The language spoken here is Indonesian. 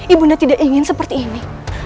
ibu nda tidak ingin seperti ini